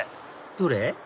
どれ？